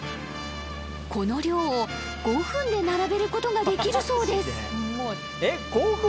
この量を５分で並べることができるそうです